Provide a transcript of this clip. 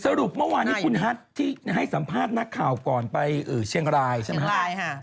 เมื่อวานนี้คุณฮัทที่ให้สัมภาษณ์นักข่าวก่อนไปเชียงรายใช่ไหมครับ